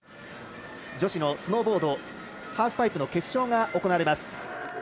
女子のスノーボードハーフパイプの決勝が行われます。